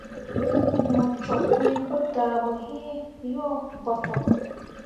Mu cok fin pu dah boyin yo botok.